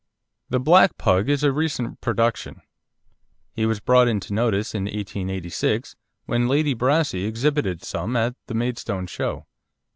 The black Pug is a recent production. He was brought into notice in 1886, when Lady Brassey exhibited some at the Maidstone Show.